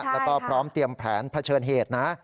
แล้วก็พร้อมเตรียมแผนเผชิญเหตุนะ